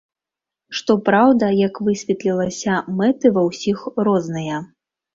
Што праўда, як высветлілася, мэты ва ўсіх розныя.